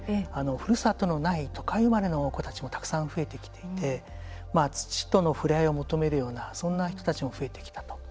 ふるさとのない都会生まれの子たちもたくさん増えてきていて土との触れ合いを求めるようなそんな人たちも増えてきたと。